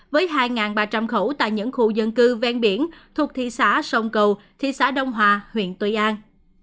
với hai ba trăm linh khẩu tại những khu dân cư ven biển thuộc thị xã sông cầu thị xã đông hòa huyện tuy an